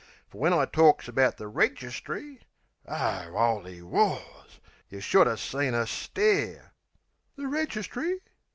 Fer when I torks about the registry O 'oly wars! yeh should 'a' seen 'er stare; "The registry?"